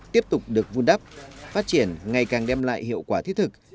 tiếp tục được vun đắp phát triển ngày càng đem lại hiệu quả thiết thực